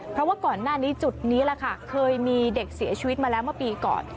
เพราะว่าก่อนหน้านี้จุดนี้แหละค่ะเคยมีเด็กเสียชีวิตมาแล้วเมื่อปีก่อน